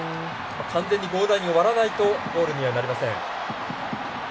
完全にゴールラインを割らないとゴールにはなりません。